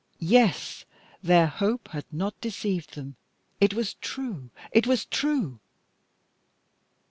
Yes, their hope had not deceived them. It was true! It was true!